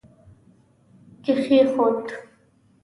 کښېښود